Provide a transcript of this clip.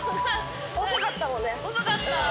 遅かったもんね。